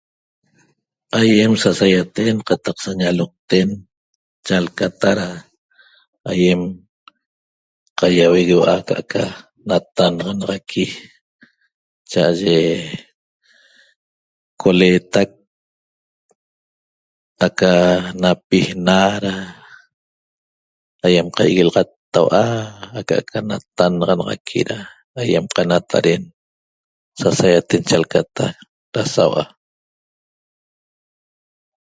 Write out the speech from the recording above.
Aiem sasaiaten qataq sañaloqten chalcata ra aiem qaiauegueua'a ca'aca natannaxanaxaqui cha'aye coleetac aca napiina ra aiem qaiguelaxataua'a aca'aca natannaxanaxaqui ra aiem qanataren sasaiaten chalcata ra saua'